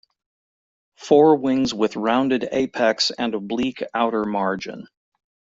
Forewings with rounded apex and oblique outer margin.